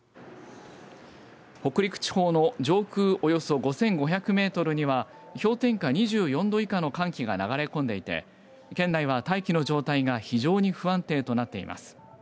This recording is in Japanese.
北陸地方の上空およそ５５００メートルには氷点下２４度以下の寒気が流れ込んでいて県内は大気の状態が非常に不安定となっています。